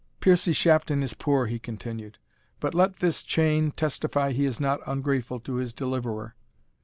"Piercie Shafton is poor," he continued, "but let this chain testify he is not ungrateful to his deliverer."